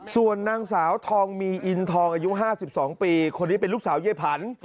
ส่วนนางสาวทองมีอินทองอายุ๕๒ปีคนนี้เป็นลูกสาวเย้ผัน